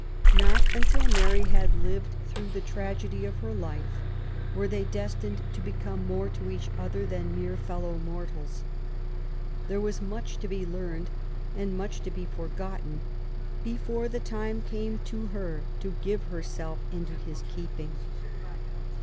Not until Mary had lived through the tragedy of her life were they destined to become more to each other than mere fellow mortals. There was much to be learned, and much to be forgotten, before the time came to her to give herself into his keeping.